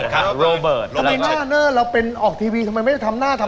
ครับคุณเจียวครับอันนี้ลูกทีมคุณนี่รีดถ่ายนะฮะ